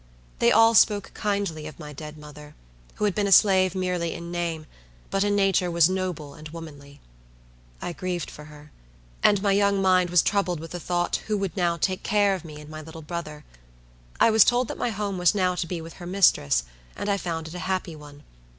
They all spoke kindly of my dead mother, who had been a slave merely in name, but in nature was noble and womanly. I grieved for her, and my young mind was troubled with the thought who would now take care of me and my little brother. I was told that my home was now to be with her mistress; and I found it a happy one.